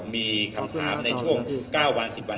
มีคำถามในช่วง๙วัน๑๐วัน